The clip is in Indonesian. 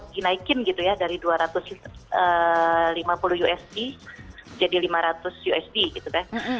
dinaikin gitu ya dari dua ratus lima puluh usd jadi lima ratus usd gitu kan